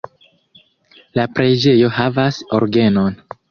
La preĝejo havas orgenon.